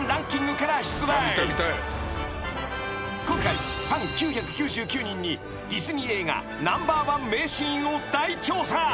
［今回ファン９９９人にディズニー映画ナンバーワン名シーンを大調査］